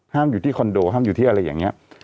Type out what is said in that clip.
อยู่ที่คอนโดห้ามอยู่ที่อะไรอย่างนี้